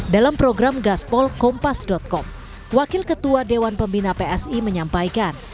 dalam program gaspol kompas com wakil ketua dewan pembina psi menyampaikan